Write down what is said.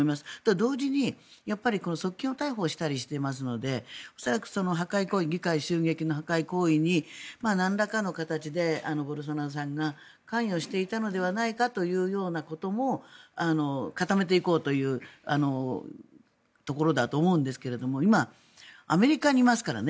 同時に、側近を逮捕したりしていますので恐らく議会襲撃の破壊行為になんらかの形でボルソナロさんが関与していたのではないかというようなことも固めていこうというところだと思うんですけれど今、アメリカにいますからね